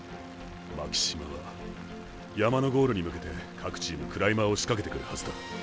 巻島は山のゴールに向けて各チームクライマーをしかけてくるはずだ。